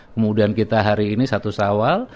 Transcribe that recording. kemudian kita hari ini satu sawal